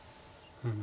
うん。